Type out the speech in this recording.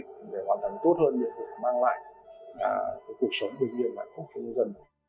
để hoàn thành tốt hơn để mang lại cuộc sống bình yên và hạnh phúc cho người dân